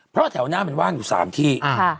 เพราะแถวหน้ามันว่างอยู่๓ที่